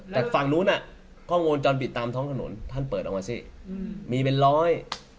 แต่ฝั่งนู้นน่ะกล้องวงจรปิดตามท้องถนนท่านเปิดออกมาสิมีเป็นร้อย